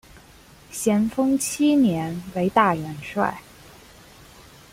咸丰七年为大元帅。